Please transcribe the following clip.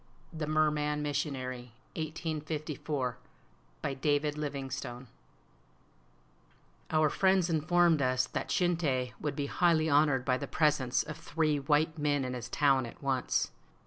THE MERMAN MISSIONARY I1854I BY DAVID LIVINGSTONE Our friends informed us that Shinte would be highly honored by the presence of three white men in his town at once.